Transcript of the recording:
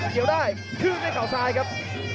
เกี่ยวได้แบบขึ้นไว้ข่าวซ้ายครับ